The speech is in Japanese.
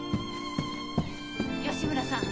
吉村さん